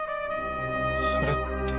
それって。